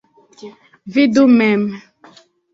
Vidu mem.